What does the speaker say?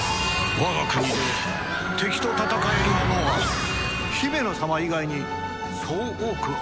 我が国で敵と戦える者はヒメノ様以外にそう多くありません。